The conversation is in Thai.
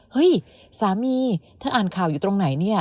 เฮ้ยสามีถ้าอ่านข่าวอยู่ตรงไหน